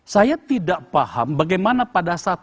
saya tidak paham bagaimana pada saat